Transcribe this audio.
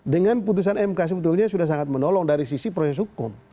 dengan putusan mk sebetulnya sudah sangat menolong dari sisi proses hukum